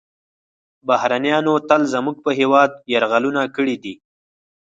بهرنیانو تل زموږ په هیواد یرغلونه کړي دي